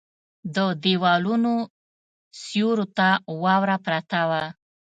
د ديوالونو سيورو ته واوره پرته وه.